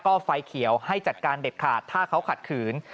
ก็ไฟเขียวให้จัดการเด็ดขาดถ้าเขาขัดขืน